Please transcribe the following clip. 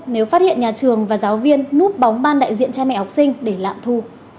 nếu phát hiện nhà trường và giáo viên núp bóng ban đại diện cha mẹ học sinh để lạm thu